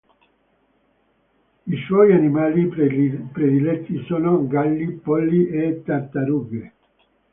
I suoi animali prediletti sono galli, polli e tartarughe.